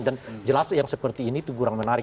dan jelas yang seperti ini itu kurang menarik